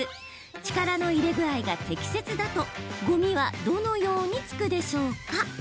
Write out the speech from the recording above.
力の入れ具合が適切だとごみはどのようにつくでしょうか？